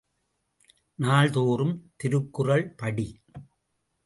நாள் தோறும் திருக்குறள் படி!